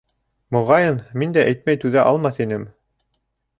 Моғайын, мин дә әйтмәй түҙә алмаҫ инем...